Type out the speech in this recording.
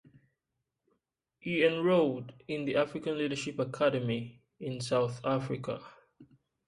He enrolled in the African Leadership Academy in South Africa.